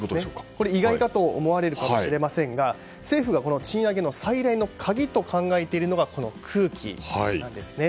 意外かと思われるかもしれませんが政府は賃上げの最大の鍵と考えているのが空気なんですね。